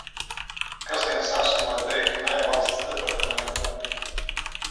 "Kas gan es esmu, lai teiktu "nē" Valsts departamentam?"